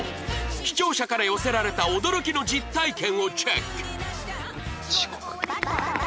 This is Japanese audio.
視聴者から寄せられた驚きの実体験をチェック！